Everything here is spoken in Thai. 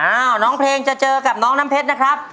น้องเพลงจะเจอกับน้องน้ำเพชรนะครับ